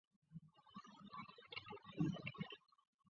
车站门口亦设有出租车站点。